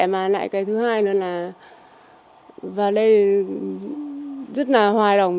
mà lại cái thứ hai nữa là về đây rất là hoài lòng